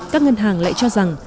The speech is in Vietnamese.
các ngân hàng lại cho rằng